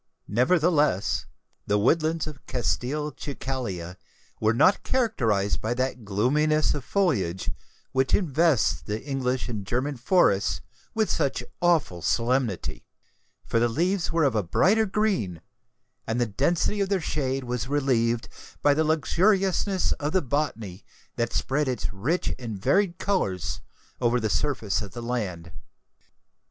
Nevertheless, the woodlands of Castelcicala were not characterised by that gloominess of foliage which invests the English and German forests with such awful solemnity; for the leaves were of a brighter green, and the density of their shade was relieved by the luxuriousness of the botany that spread its rich and varied colours over the surface of the land.